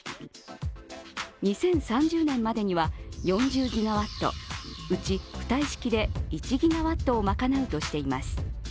２０３０年までには４０ギガワット、うち浮体式で１ギガワットを賄うとしています。